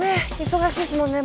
忙しいですもんね